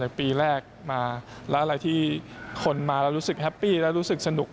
จากปีแรกมาแล้วอะไรที่ขนมาเรารู้สึกแฮปปี้เรารู้สึกสนุก